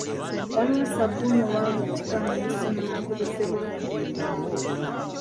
Waliwo ssabbuuni owa buli kika mu nsi muno akozesebwa mu kunaaba.